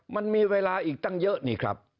มันมีเวลาอีกตั้งเยอะนี่ครับ